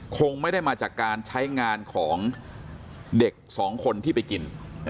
คงไม่ได้มาจากการใช้งานของเด็กสองคนที่ไปกิน